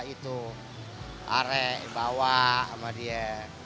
itu arek bawa sama dia